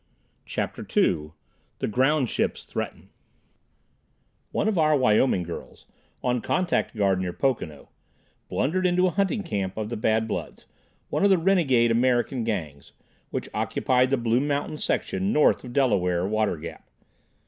CHAPTER II The "Ground Ships" Threaten One of our Wyoming girls, on contact guard near Pocono, blundered into a hunting camp of the Bad Bloods, one of the renegade American Gangs, which occupied the Blue Mountain section north of Delaware Water Gap.